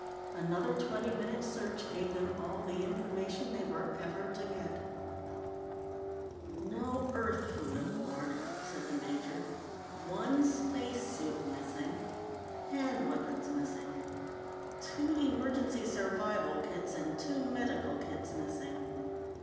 Another twenty minute search gave them all the information they were ever to get. "No Earth food aboard," said the major. "One spacesuit missing. Handweapons missing. Two emergency survival kits and two medical kits missing.